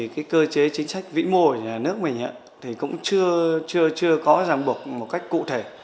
cái cơ chế chính sách vĩ mô của nhà nước mình thì cũng chưa có ràng buộc một cách cụ thể